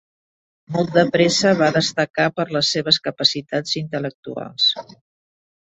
Molt de pressa va destacar per les seves capacitats intel·lectuals.